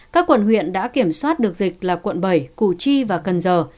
các quận huyện đã kiểm soát được dịch là quận bảy củ chi và cần giờ